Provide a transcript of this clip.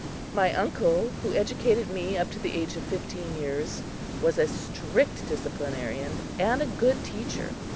My uncle, who educated me up to the age of fifteen years, was a strict disciplinarian and a good teacher.